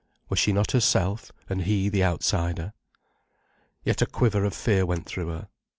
Was she not herself, and he the outsider. Yet a quiver of fear went through her.